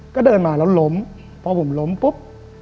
ก็เดินมาแล้วล้มพอผมล้มปุ๊บ